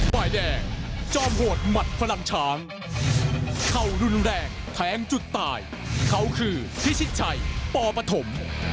ฝ่ายแดงจอมโหดหมัดฝรั่งช้างเข่ารุนแรงแทงจุดตายเขาคือพิชิตชัยปปฐม